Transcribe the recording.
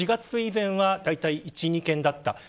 ４月以前はだいたい１、２件だった。